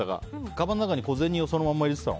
かばんの中に小銭を入れてたの？